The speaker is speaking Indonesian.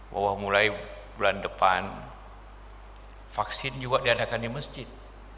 bahwa mulai bulan depan vaksin juga diadakan di masjid